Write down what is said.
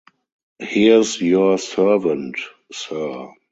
Here’s your servant, Sir.